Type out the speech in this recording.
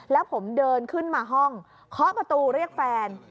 แล้วผมเดินขึ้นมาห้องเคาะประตูเรียกแฟน